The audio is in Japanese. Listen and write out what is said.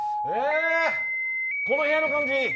この部屋の感じ